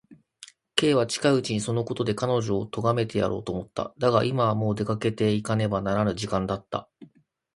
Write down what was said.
Ｋ は近いうちにそのことで彼女をとがめてやろうと思った。だが、今はもう出かけていかねばならぬ時間だった。